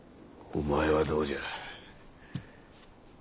お前はどうじゃ？